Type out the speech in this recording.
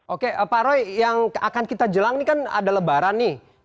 oke pak roy yang akan kita jelang ini kan ada lebaran nih